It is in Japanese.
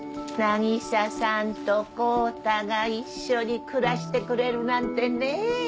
渚さんと康太が一緒に暮らしてくれるなんてねえ。